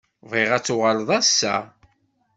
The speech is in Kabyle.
Bɣiɣ ad tuɣaleḍ ass-a.